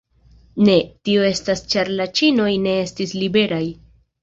Ne, tio estas ĉar la ĉinoj ne estis liberaj.